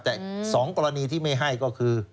แต่๒กรณีที่ไม่ให้ก็คือ